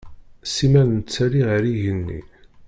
Simmal nettali ar igenni.